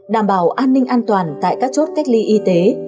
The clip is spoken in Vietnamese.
đảm bảo an ninh an toàn tại các chốt cách ly y tế